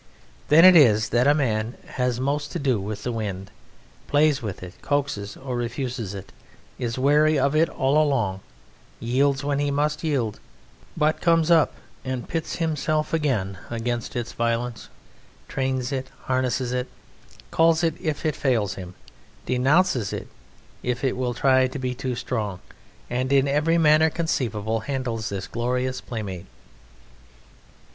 Then it is that a man has most to do with the wind, plays with it, coaxes or refuses it, is wary of it all along; yields when he must yield, but comes up and pits himself again against its violence; trains it, harnesses it, calls it if it fails him, denounces it if it will try to be too strong, and in every manner conceivable handles this glorious playmate.